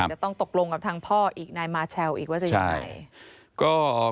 จะต้องตกลงกับทางพ่ออีกนายมาเชลอีกว่าจะยังไง